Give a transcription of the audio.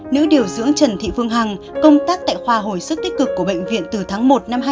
nữ điều dưỡng trần thị phương hằng công tác tại khoa hồi sức tích cực của bệnh viện từ tháng một hai nghìn ba